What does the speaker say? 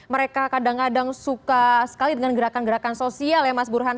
mereka kadang kadang suka sekali dengan gerakan gerakan sosial ya mas burhan